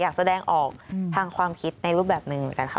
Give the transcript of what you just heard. อยากแสดงออกทางความคิดในรูปแบบหนึ่งเหมือนกันค่ะ